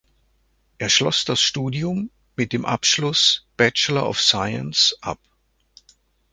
Er schloss das Studium mit dem Abschluss Bachelor of Science ab.